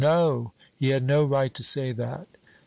NO! He had no right to say that.